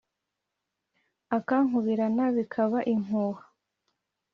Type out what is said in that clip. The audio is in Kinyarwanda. Akankubirana bikaba impuha